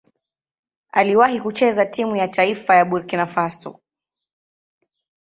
Aliwahi kucheza timu ya taifa ya Burkina Faso.